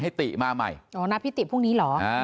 ให้ติมาใหม่อ๋อนับพิติพรุ่งนี้เหรออ่า